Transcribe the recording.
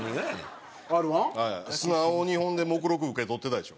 素直にほんで目録受け取ってたでしょ？